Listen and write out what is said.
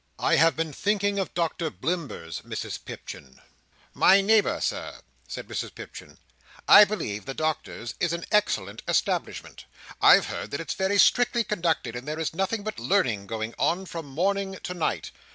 I have been thinking of Doctor Blimber's, Mrs Pipchin." "My neighbour, Sir?" said Mrs Pipchin. "I believe the Doctor's is an excellent establishment. I've heard that it's very strictly conducted, and there is nothing but learning going on from morning to night."